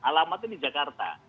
alamatnya di jakarta